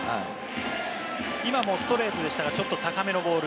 今もストレートでしたが、ちょっと高めのボール。